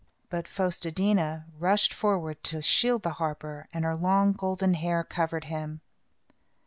But Fos te dí na rushed forward to shield the harper, and her long golden hair covered him.